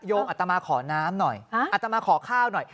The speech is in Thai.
อัตมาขอน้ำหน่อยอัตมาขอข้าวหน่อย